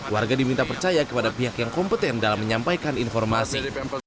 warga diminta percaya kepada pihak yang kompeten dalam menyampaikan informasi